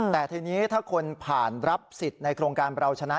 แต่ทีนี้ถ้าคนผ่านรับสิทธิ์ในโครงการเราชนะ